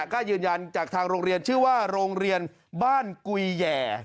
ก็ยืนยันจากทางโรงเรียนชื่อว่าโรงเรียนบ้านกุยแหย่